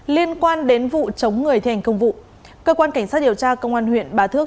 liên quan đến vụ chống người thi hành công vụ cơ quan cảnh sát điều tra công an huyện bà thước